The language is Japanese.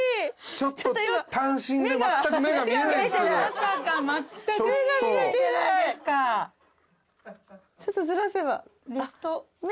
ちょっとずらせば目が。